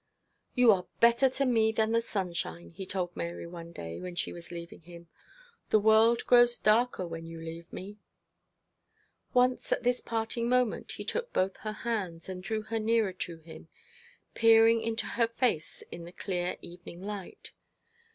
'You are better to me than the sunshine,' he told Mary one day when she was leaving him. 'The world grows darker when you leave me.' Once at this parting moment he took both her hands, and drew her nearer to him, peering into her face in the clear evening light.